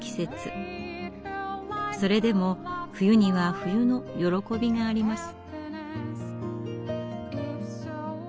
それでも冬には冬の喜びがあります。